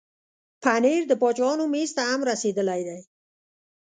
پنېر د باچاهانو مېز ته هم رسېدلی دی.